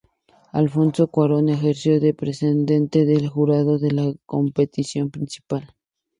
Alfonso Cuarón ejerció de presidente del Jurado en la competición principal.